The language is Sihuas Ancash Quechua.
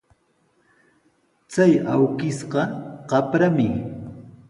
Chay awkishqa qaprami.